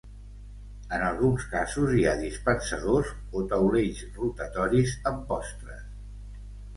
En alguns casos hi ha dispensadors o taulells rotatoris amb postres.